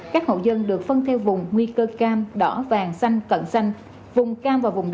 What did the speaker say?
các hộ dân được phân theo vùng nguy cơ cam đỏ vàng xanh cận xanh vùng cam và vùng